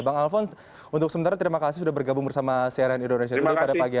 bang alvons untuk sementara terima kasih sudah bergabung bersama crn indonesia today pada pagi hari ini